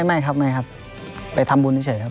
ไม่ครับไปทำบุญก็เฉยครับ